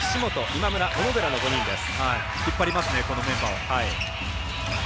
今村、小野寺の５人です。